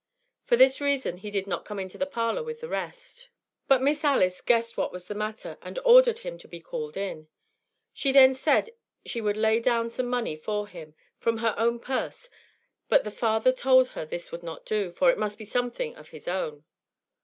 For this reason he did not come into the parlor with the rest; but Miss Alice guessed what was the matter, and ordered him to be called in. She then said she would lay down some money for him, from her own purse; but the father told her this would not do, for it must be something of his own.